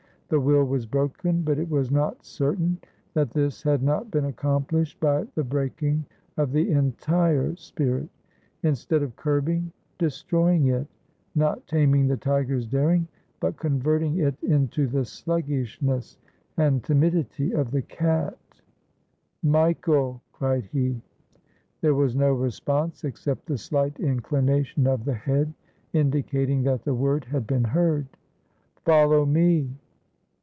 The will was broken, but it was not certain that this had not been accomplished by the breaking of the entire spirit; instead of curbing, destroying it: not taming the tiger's daring, but converting it into the sluggishness and timid ity of the cat. "Michael!" cried he. There was no response except the slight inclination of the head indicating that the word had been heard. ''Follow me!"